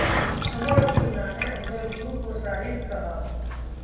उमर अब्दुल्ला ने अफजल गुरु को 'साहिब' कहा